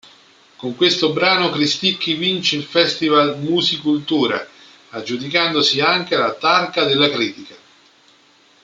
Con questo brano Cristicchi vince il festival Musicultura, aggiudicandosi anche la "Targa della Critica".